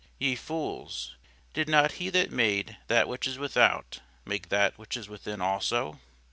Ye fools, did not he that made that which is without make that which is within also?